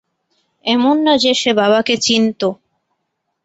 এমন না যে সে বাবাকে চিনতো।